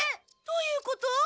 どういうこと？